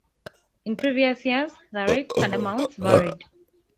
In previous years the rates and amounts varied.